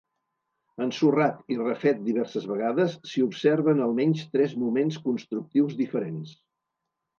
Ensorrat i refet diverses vegades, s'hi observen almenys tres moments constructius diferents.